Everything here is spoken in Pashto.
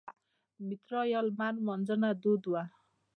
میترا یا لمر لمانځنه دود وه